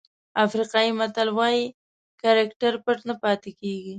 افریقایي متل وایي کرکټر پټ نه پاتې کېږي.